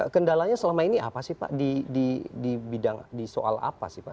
kendalanya selama ini apa sih pak di bidang di soal apa sih pak